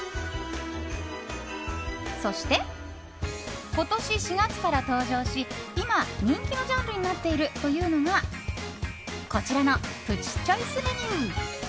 そして今年４月から登場し今、人気のジャンルになっているというのがこちらのプチチョイスメニュー。